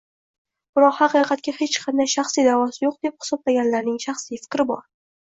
Biroq, haqiqatga hech qanday shaxsiy da'vosi yo'q deb hisoblanganlarning shaxsiy fikri bor